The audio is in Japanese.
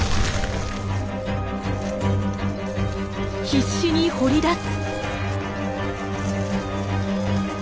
必死に掘り出す。